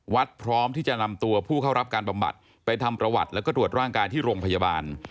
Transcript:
พร้อมที่จะนำตัวผู้เข้ารับการบำบัดไปทำประวัติแล้วก็ตรวจร่างกายที่โรงพยาบาล